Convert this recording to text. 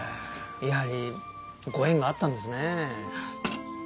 やはりご縁があったんですね。